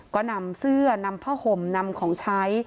ก็นำเสื้อนำผ้าห่มนำของใช้